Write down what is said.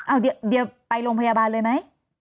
เอาเดี๋ยวไปโรงพยาบาลเลยไหม